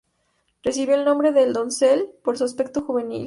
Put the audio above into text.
Recibió el nombre de "el doncel", por su aspecto juvenil.